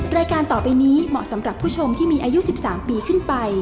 รายการต่อไปนี้เหมาะสำหรับผู้ชมที่มีอายุ๑๓ปีขึ้นไป